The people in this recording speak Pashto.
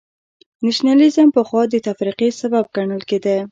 نېشنلېزم پخوا د تفرقې سبب ګڼل کېده.